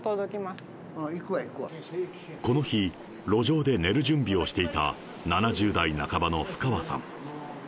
この日、路上で寝る準備をしていた７０代半ばの布川さん。